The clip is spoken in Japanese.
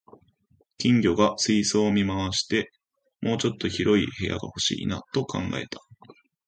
金魚が水槽を見回して、「もうちょっと広い部屋が欲しいな」と考えた